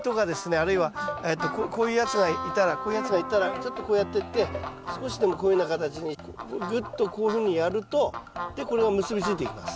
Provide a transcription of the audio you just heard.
あるいはこういうやつがいたらこういうやつがいたらちょっとこうやってって少しでもこういうふうな形にぐっとこういうふうにやるとでこれを結び付いていきます。